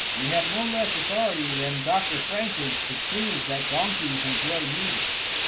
We have no less an authority than Dr. Franklin to prove that donkeys enjoy music.